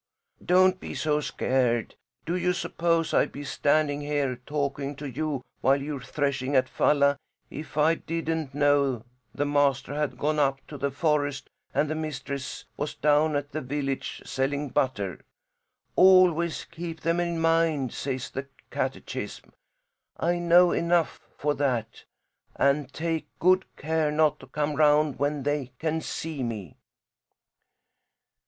"Don't be so scared. Do you suppose I'd be standing here talking to you while you're threshing at Falla if I didn't know the master had gone up to the forest and the mistress was down at the village selling butter. 'Always keep them in mind,' says the catechism. I know enough for that and take good care not to come round when they can see me."